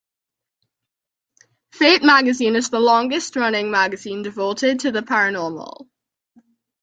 "Fate" magazine is the longest-running magazine devoted to the paranormal.